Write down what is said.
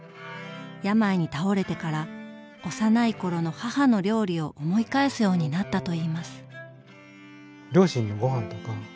病に倒れてから幼い頃の母の料理を思い返すようになったといいます。